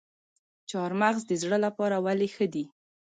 چهارمغز د زړه لپاره ولې ښه دي؟